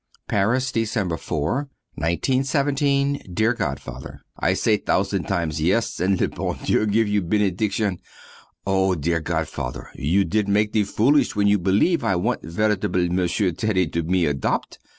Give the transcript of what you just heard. Paris, Dec. 4, 1917. Dear godfather, I say thousand times yes, and the bon Dieu give you benediction. Oh dear godfather, you did make the foolish when you believe I want veritably monsieur Teddy to me adopt!